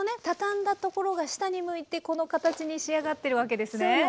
畳んだところが下に向いてこの形に仕上がってるわけですね。